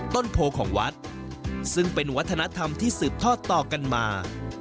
ต้นโพของวัดซึ่งเป็นวัฒนธรรมที่สืบทอดต่อกันมา